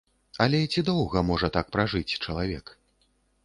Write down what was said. Але ці доўга можа так пражыць чалавек?